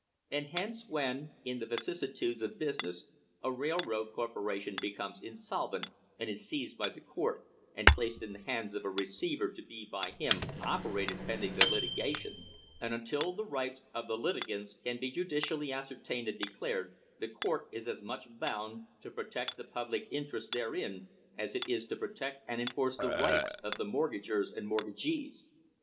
And hence when, in the vicissitudes of business, a railroad corporation becomes insolvent and is seized by the court and placed in the hands of a receiver to be by him operated pending the litigation, and until the rights of the litigants can be judicially ascertained and declared, the court is as much bound to protect the public interests therein as it is to protect and enforce the rights of the mortgagers and mortgagees.